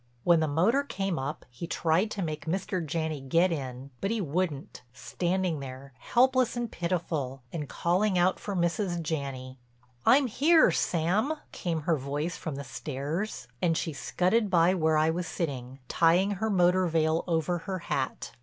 When the motor came up he tried to make Mr. Janney get in, but he wouldn't, standing there, helpless and pitiful, and calling out for Mrs. Janney. "I'm here, Sam," came her voice from the stairs and she scudded by where I was sitting, tying her motor veil over her hat.